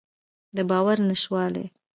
د باور نشتوالی.